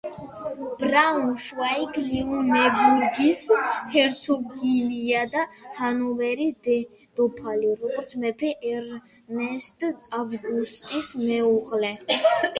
ბრაუნშვაიგ-ლიუნებურგის ჰერცოგინია და ჰანოვერის დედოფალი როგორც მეფე ერნესტ ავგუსტის მეუღლე.